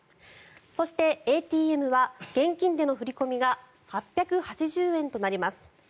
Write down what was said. そして、ＡＴＭは現金での振り込みが８８０円となります。